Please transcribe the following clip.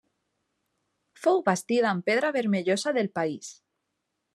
Fou bastida amb pedra vermellosa del país.